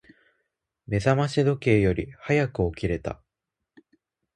目覚まし時計より早く起きれた。